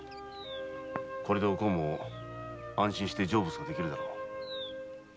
これでお幸も安心して成仏できるであろう。